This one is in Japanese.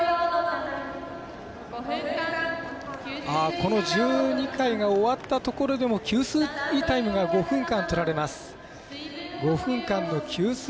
この１２回が終わったところでも給水タイムが５分間とられます。